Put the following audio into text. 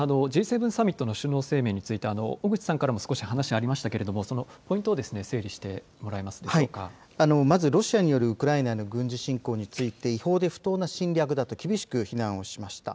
Ｇ７サミットの首脳声明について小口さんからも話がありましたがポイントを整理してもらえますでまずロシアによるウクライナの軍事侵攻について違法で不当な侵略だと厳しく非難をしました。